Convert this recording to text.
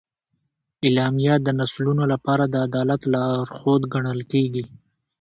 اعلامیه د نسلونو لپاره د عدالت لارښود ګڼل کېږي.